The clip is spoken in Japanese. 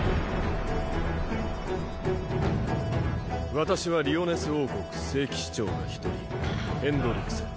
私はリオネス王国聖騎士長が一人ヘンドリクセン。